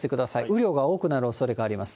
雨量が多くなるおそれがあります。